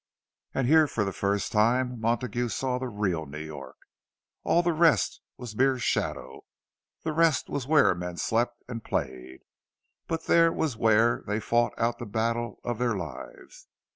And here, for the first time, Montague saw the real New York. All the rest was mere shadow—the rest was where men slept and played, but here was where they fought out the battle of their lives.